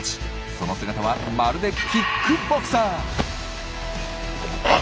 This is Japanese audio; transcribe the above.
その姿はまるでキックボクサー！